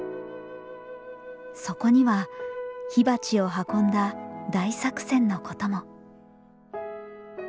そこには火鉢を運んだ大作戦のことも。